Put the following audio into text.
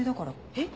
えっ？